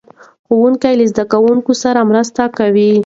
ښوونکي له زده کوونکو سره مرسته کوي.